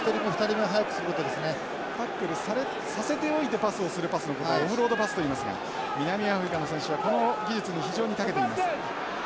タックルさせておいてパスをするパスのことをオフロードパスといいますが南アフリカの選手はこの技術に非常にたけています。